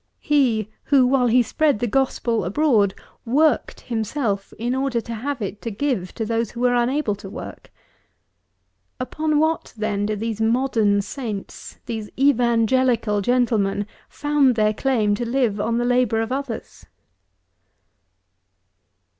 He, who, while he spread the gospel abroad, worked himself, in order to have it to give to those who were unable to work? Upon what, then, do these modern saints; these evangelical gentlemen, found their claim to live on the labour of others.